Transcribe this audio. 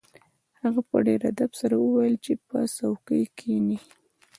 هغه په ډیر ادب سره وویل چې په څوکۍ کښیني